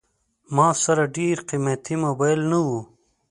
ما سره ډېر قیمتي موبایل نه و.